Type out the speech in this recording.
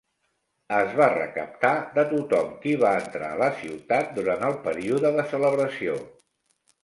Es va recaptar de tothom qui va entrar a la ciutat durant el període de celebració.